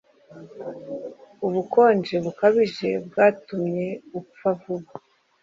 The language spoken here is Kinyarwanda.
Ubukonje bukabije bwatuma upfa vuba